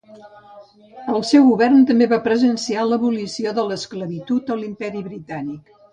El seu govern també va presenciar l'abolició de l'esclavitud a l'imperi britànic.